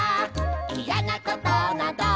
「いやなことなど」